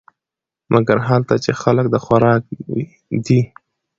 مګر هلته چې خلک د خوراک دي .